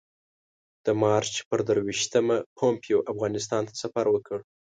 د مارچ پر درویشتمه پومپیو افغانستان ته سفر وکړ.